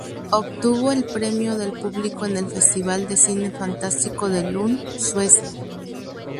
Obtuvo el Premio del Público en el Festival de Cine Fantástico de Lund, Suecia.